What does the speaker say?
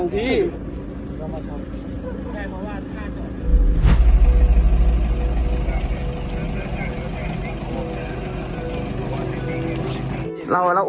กินเหล้ามา